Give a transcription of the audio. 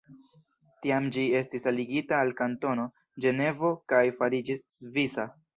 Tiam ĝi estis aligita al Kantono Ĝenevo kaj fariĝis svisa.